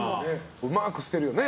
うまく捨てるよね。